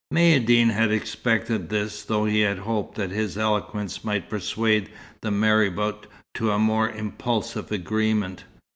Maïeddine had expected this, though he had hoped that his eloquence might persuade the marabout to a more impulsive agreement.